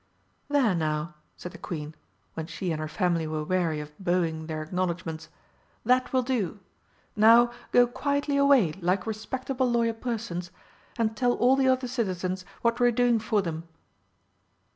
"There now," said the Queen, when she and her family were weary of bowing their acknowledgments, "that will do. Now go quietly away, like respectable loyal persons, and tell all the other citizens what we're doing for them."